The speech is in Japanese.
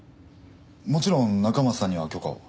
もちろん中松さんには許可を。